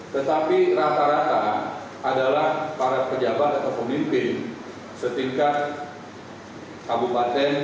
tetapi rata rata adalah para pejabat atau pemimpin setingkat kabupaten